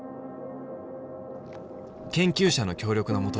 研究者の協力の下